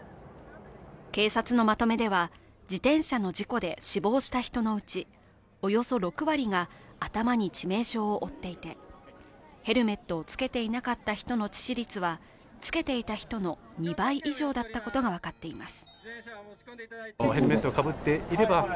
警察のまとめでは、自転車の事故で死亡した人のうちおよそ６割が頭に致命傷を負っていて、ヘルメットを着けていなかった人の致死率は着けていた人の２倍以上だったことが分かっています。